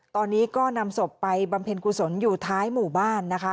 ตอนนี้ก็นำศพไปบำเพ็ญกุศลอยู่ท้ายหมู่บ้านนะคะ